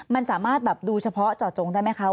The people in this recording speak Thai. มันสามารถแบบดูเฉพาะเจาะจงได้ไหมคะ